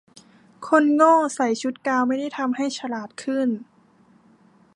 คนโง่ใส่ชุดกาวน์ไม่ได้ทำให้ฉลาดขึ้น